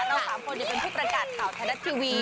เราสามคนจะเป็นผู้ประกันข่าวธนัดทีวี